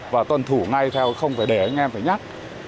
và tuân thủ ngay theo không phải để anh em phải nhắc